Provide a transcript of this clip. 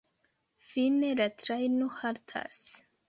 Fine la trajno haltas.